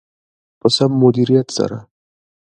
په سم مدیریت سره.